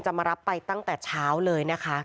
มารับไปตั้งแต่เช้าเลยนะคะ